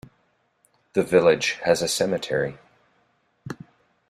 The village has a cemetery.